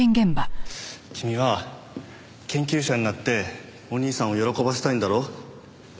君は研究者になってお兄さんを喜ばせたいんだろ？